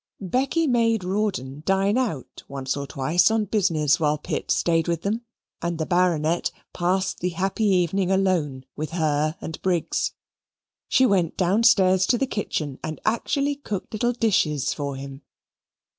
Becky made Rawdon dine out once or twice on business, while Pitt stayed with them, and the Baronet passed the happy evening alone with her and Briggs. She went downstairs to the kitchen and actually cooked little dishes for him.